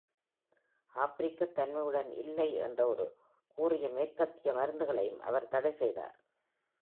ஆஃப்ரிக்கத் தன்மையுடன் இல்லை என்று கூறி மேற்கத்திய மருந்துகளையும் அவர் தடை செய்தார்.